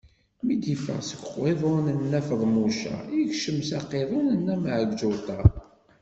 Mi d-iffeɣ seg uqiḍun n Nna Feḍmuca, ikcem s aqiḍun n Meɛǧuṭa.